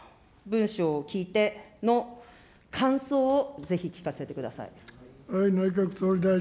総理、この文章を聞いての感想をぜひ聞かせてください。